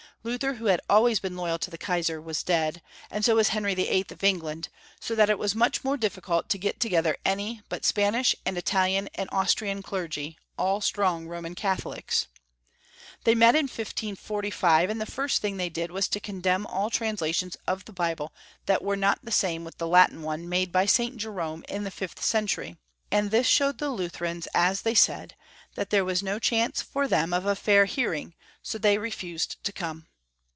Luther, who had always been loyal to the Kaisar, was dead, and so was Henry VIII. of England, so that it was much more difficult to get together any but Span ish, and Italian, and Austrian clergy, all strong Roman Catholics. They met in 1545, and the first thing they did was to condemn all translations of the Bible that were not the same with the Latin one made by St. Jerome in the fifth century, and this showed the Lutherans, as they said, that there was no chance for them of a fair hearing, so they re fused to come.